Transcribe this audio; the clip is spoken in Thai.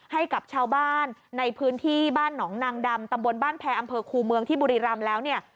ให้กับชาวบ้านในพื้นที่บ้านหนองนางดำตำบลบ้านแพรอำเภอคูเมืองที่บุรีรำแล้วเนี่ย